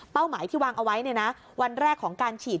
หมายที่วางเอาไว้วันแรกของการฉีด